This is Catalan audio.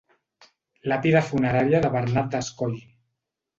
Làpida funerària de Bernat Descoll.